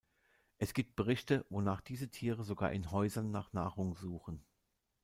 Es gibt Berichte, wonach diese Tiere sogar in Häusern nach Nahrung suchen.